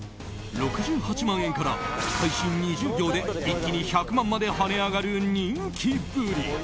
６８万円から開始２０秒で一気に１００万まで跳ね上がる人気ぶり。